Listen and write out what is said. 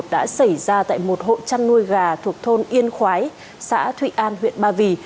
đã xảy ra tại một hộ chăn nuôi gà thuộc thôn yên khói xã thụy an huyện ba vì